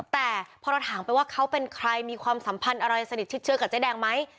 แต่พอเราถามไปว่าเขาเป็นใครมีความสัมพันธ์อะไรสนิทชิดเชื้อกับเจ๊แดงไหม